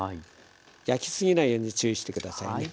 焼き過ぎないように注意して下さいね。